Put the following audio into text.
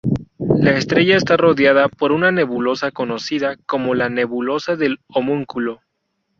La estrella está rodeada por una nebulosa conocida como la nebulosa del Homúnculo.